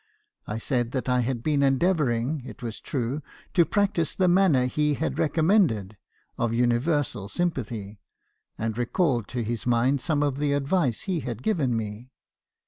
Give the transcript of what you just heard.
I said that I had been endeavouring, it was true, to practise the manner he had recommended, of universal sympathy, and recalled to his mind some of the advice he had given me.